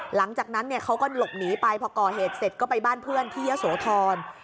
หลังจากนั้นเนี่ยเขาก็หลบหนีไปพอก่อเหตุเสร็จก็ไปบ้านเพื่อนที่ยะโสธร